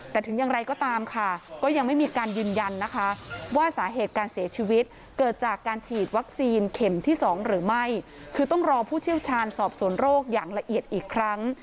แต่ถึงอย่างไรก็ตามค่ะก็ยังไม่มีการยืนยันนะคะว่าสาเหตุการเสียชีวิตเกิดจากการฉีดวัคซีนเข็มที่๒หรือไม่คือต้องรอผู้เชี่ยวชาญสอบสวนโรคอย่างละเอียดอีกครั้ง